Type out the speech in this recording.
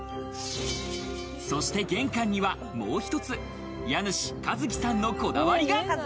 そして玄関には、もう一つ、家主・一騎さんのこだわりが。